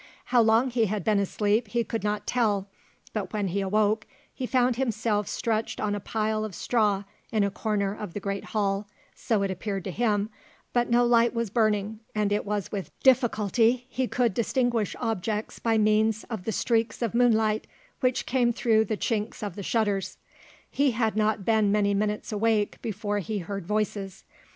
How long he had been asleep he could not tell, but when he awoke he found himself stretched on a pile of straw in a corner of the great hall, so it appeared to him, but no light was burning, and it was with difficulty he could distinguish objects by means of the streaks of moonlight which came through the chinks of the shutters. He had not been many minutes awake before he heard voices.